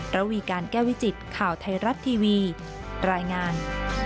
ระวีการแก้วิจิตข่าวไทยรัฐทีวีรายงาน